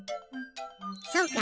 そうか！